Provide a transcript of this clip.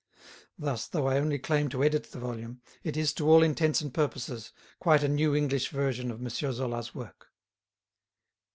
Thus, though I only claim to edit the volume, it is, to all intents and purposes, quite a new English version of M. Zola's work.